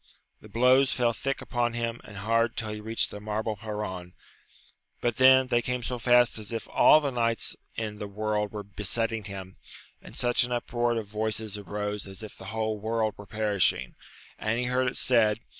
The blows fell thick upon him and hard till he reached the marble perron, but then they came so fast as if all the knights in the world were besetting him, and such an uproar of voices arose as if the whole world were perishing, and he heard it said.